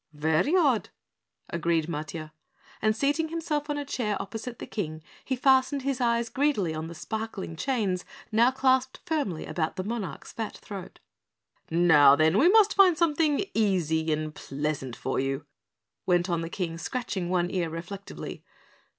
"Very odd," agreed Matiah, and seating himself on a chair opposite the King, he fastened his eyes greedily on the sparkling chains now clasped firmly about the monarch's fat throat. "Now, then, we must find something easy and pleasant for you," went on the King, scratching one ear reflectively.